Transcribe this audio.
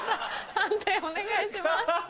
判定お願いします。